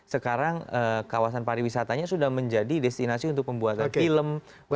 sekarang kawasan pariwisatanya sudah menjadi destinasi untuk pembuatan film